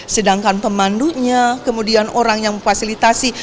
sedangkan pemandunya kemudian orang yang memfasilitasi